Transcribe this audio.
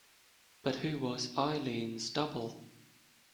But who was Eileen's double.